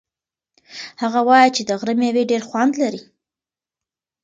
هغه وایي چې د غره مېوې ډېر خوند لري.